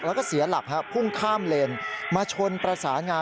แล้วก็เสียหลักพุ่งข้ามเลนมาชนประสานงา